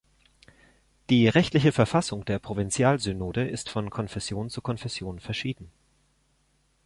Die rechtliche Verfassung der Provinzialsynode ist von Konfession zu Konfession verschieden.